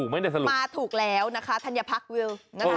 มาถูกแล้วนะธัญพรรควิล